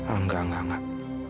enggak enggak enggak